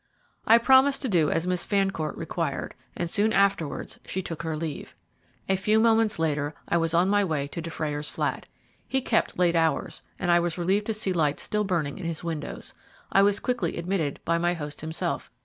I promised to do as Miss Fancourt required, and soon afterwards she took her leave. A few moments later, I was on my way to Dufrayer's flat. He kept late hours, and I was relieved to see lights still burning in his windows. I was quickly admitted by my host himself.